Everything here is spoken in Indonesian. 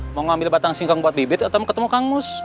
mau ngambil batang singkong buat bibit atau ketemu kang mus